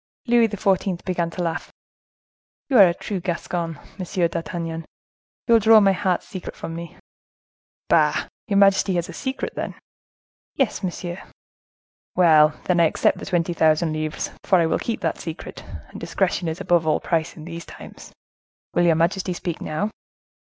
Louis XIV. began to laugh. "You are a true Gascon, Monsieur d'Artagnan; you will draw my heart's secret from me." "Bah! has your majesty a secret, then?" "Yes, monsieur." "Well! then I accept the twenty thousand livres, for I will keep that secret, and discretion is above all price, in these times. Will your majesty speak now?"